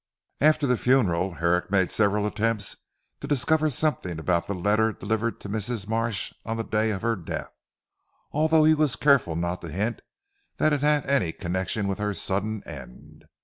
After the funeral Herrick made several attempts to discover something about the letter delivered to Mrs. Marsh on the day of her death, although he was careful not to hint that it had any connection with her sudden end.